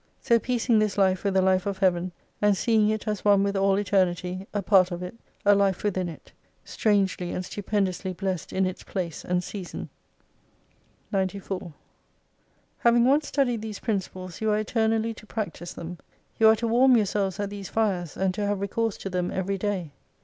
So piecing this life with the life of Heaven, and seeing it as one with all Eternity, a part of it, a life within it : Strangely and stupendously blessed in its place and season. 94 Having once studied these principles you are eternally to practise them. You are to warm yourselves at these fires, and to have recourse to them every day.